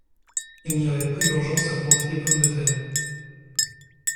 Il n’y avait pas urgence à planter les pommes de terre.